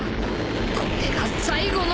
これが最後のギア